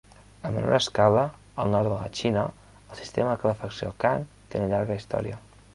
En menor escala, al nord de la Xina el sistema de calefacció Kang té una llarga història.